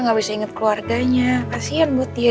gak bisa inget keluarganya kasian mutia